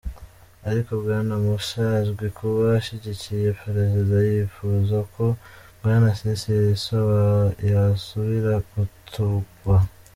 Ariko Bwana Moussa azwi kuba ashigikiye Prezida yipfuza ko Bwana Sisi yosubira gutogwa.